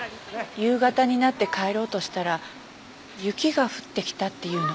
夕方になって帰ろうとしたら雪が降ってきたって言うの。